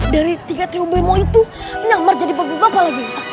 dari tiga trio bemo itu nyamar jadi bagi bapak lagi pak